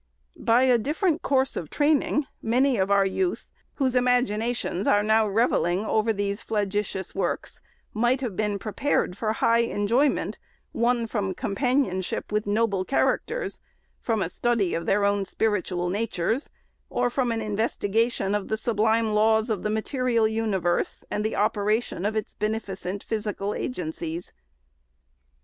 By a different course of training, many of our youth, whose imaginations are now revelling over these flagitious works, might have been prepared for high en joyment won from companionship with noble characters, from a study of their own spiritual natures, or from an investigation of the sublime laws of the material universe, and the operation of its beneficent physical agencies.